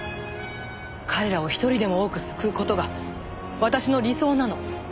彼らを一人でも多く救う事が私の理想なの。